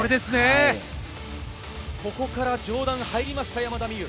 ここから上段が入りました山田美諭。